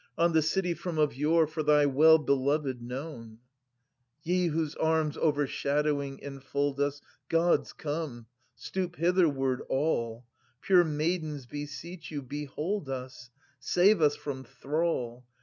On the city from of yore for thy well belov6d known ! {Sir. I.) Ye whose arms overshadowing enfold us, Gods, come, stoop hitherward all ! no Pure maidens beseech you — behold us. Save us from thrall